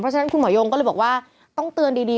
ฉะนั้นคุณหมอยงก็เลยบอกว่าต้องเตือนดี